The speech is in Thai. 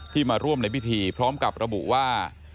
มาร่วมในพิธีพร้อมกับระบุว่า